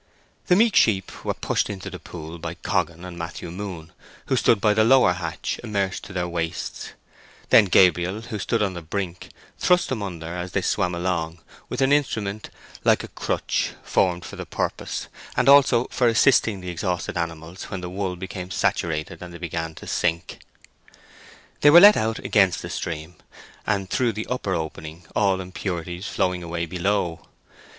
The meek sheep were pushed into the pool by Coggan and Matthew Moon, who stood by the lower hatch, immersed to their waists; then Gabriel, who stood on the brink, thrust them under as they swam along, with an instrument like a crutch, formed for the purpose, and also for assisting the exhausted animals when the wool became saturated and they began to sink. They were let out against the stream, and through the upper opening, all impurities flowing away below.